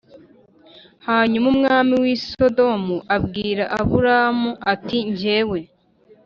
Hanyuma umwami w i Sodomu abwira Aburamu ati njyewe